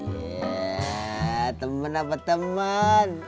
iya temen apa temen